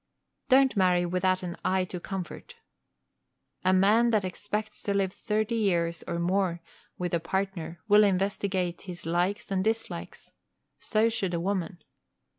Don't marry without an eye to comfort. A man that expects to live thirty years or more with a partner will investigate his likes and dislikes; so should a woman.